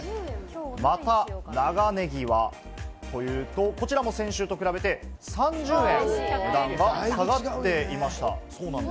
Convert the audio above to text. また、長ネギはというと、こちらも先週と比べて３０円値段が下がっていました。